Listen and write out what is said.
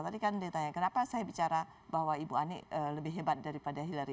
tadi kan ditanya kenapa saya bicara bahwa ibu ani lebih hebat daripada hillary